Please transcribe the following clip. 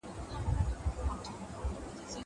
هغوی به د ښکاره اياتونو او دلائلو سره ورته راغلل.